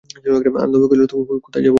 আনন্দময়ী কহিলেন, কোথায় যাবে বাবা?